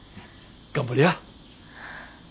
頑張りや。